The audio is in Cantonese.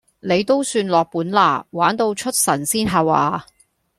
你都算落本喇，玩到出神仙吓話